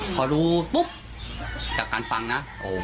พอรู้ปุ๊บจากการฟังนะ